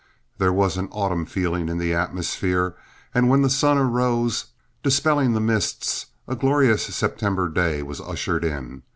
There was an autumn feeling in the atmosphere, and when the sun arose, dispelling the mists, a glorious September day was ushered in.